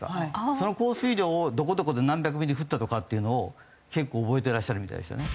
その降水量をどこどこで何百ミリ降ったとかっていうのを結構覚えてらっしゃるみたいですね。